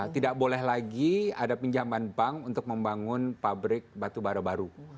tidak boleh lagi ada pinjaman bank untuk membangun pabrik batubara baru